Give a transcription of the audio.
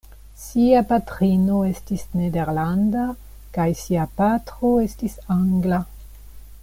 Sia patrino estis nederlanda kaj sia patro estis angla.